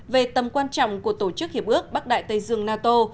về tầm quan trọng của tổ chức hiệp ước bắc đại tây dương nato